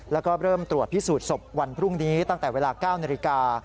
แล้วก็เริ่มตรวจพิสูจน์ศพวันพรุ่งนี้ตั้งแต่เวลา๙นาฬิกา